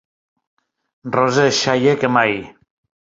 Rosa és shyer que mai.